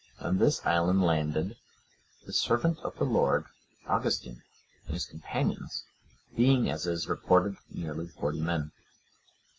On this island landed(112) the servant of the Lord, Augustine, and his companions, being, as is reported, nearly forty men.